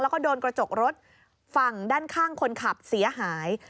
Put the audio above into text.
แล้วก็โดนกระจกรถฝั่งด้านข้างคนขับเสียหาย